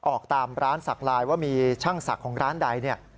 ออกตามร้านศักดิ์ไลน์ว่ามีช่างศักดิ์ของร้านใด